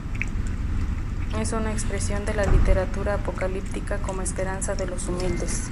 Es una expresión de la literatura apocalíptica como esperanza de los humildes.